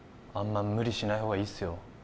あんま無理しない方がいいっすよ